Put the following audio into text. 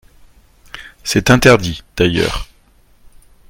C’est interdit, d’ailleurs